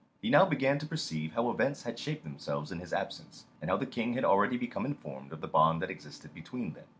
He now began to perceive how events had shaped themselves in his absence, and how the King had already become informed of the bond that existed between them.